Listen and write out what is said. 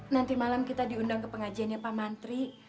nanti malam kita diundang ke pengajiannya pak mantri